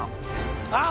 あっ！